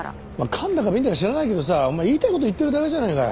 カンだかビンだか知らないけどさお前言いたい事言ってるだけじゃねえか。